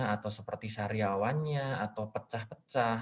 atau seperti sariawannya atau pecah pecah